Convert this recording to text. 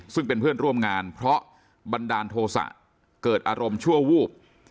ซึ่งเป็นเพื่อนร่วมงานเพราะบันดาลโทษะเกิดอารมณ์ชั่ววูบ